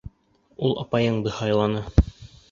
Ул апайыңды һайланы.